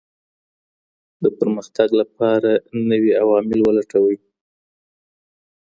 د پرمختګ لپاره نوي عوامل هم ولټوئ.